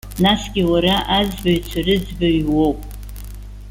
Насгьы уара, аӡбаҩцәа рыӡбаҩы уоуп.